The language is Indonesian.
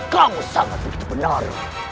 kamu sangat benar